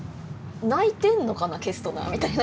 「泣いてんのかなケストナー」みたいな。